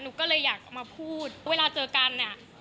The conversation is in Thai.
หนูก็เลยอยากออกมาพูดเวลาเจอกันเนี่ย